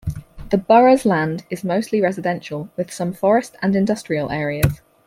The borough's land is mostly residential, with some forest and industrial areas.